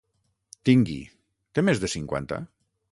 Tingui, té més de cinquanta?